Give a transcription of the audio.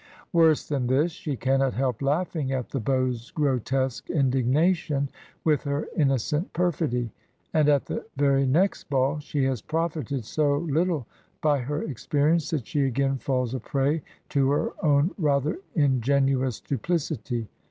Worse than this, she cannot help laughing at the beau's grotesque indignation with her innocent perfidy; and at the very next ball she has profited so little by her ex perience that she again falls a prey to her own rather ingenuous duplicity.